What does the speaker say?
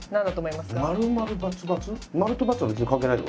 ○と×は別に関係ないってこと？